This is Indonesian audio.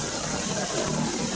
kota yang terkenal dengan